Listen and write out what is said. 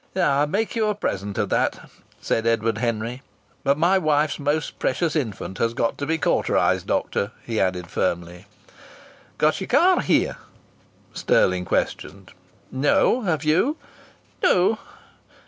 "I make you a present of that," said Edward Henry. "But my wife's most precious infant has to be cauterized, doctor," he added firmly. "Got your car here?" Stirling questioned. "No. Have you?" "No."